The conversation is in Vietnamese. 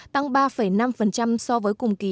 tăng ba năm so với cùng kỳ